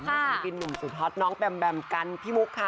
ศิลปินหนุ่มสุดฮอตน้องแบมแบมกันพี่มุกค่ะ